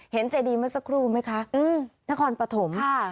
เห็นเจดีมาสักครู่ไหมคะอืมนครปะถมค่ะ